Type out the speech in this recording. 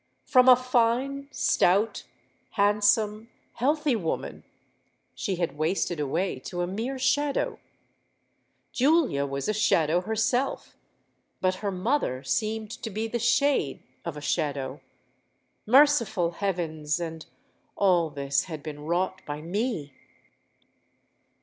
From a fine, stout, handsome, healthy woman, she had wasted away to a mere shadow:—Julia was a shadow herself—but her mother seemed to be the shade of a shadow! Merciful heavens! and all this had been wrought by me!